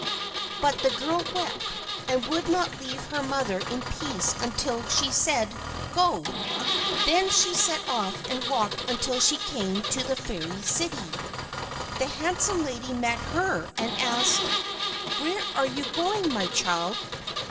But the girl wept, and would not leave her mother in peace until she said, "Go"; then she set off and walked until she came to the Fairy city. The handsome lady met her and asked: "Where are you going, my child?"